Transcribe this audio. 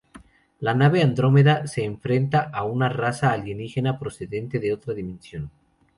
La nave Andrómeda se enfrenta a una raza alienígena procedente de otra dimensión.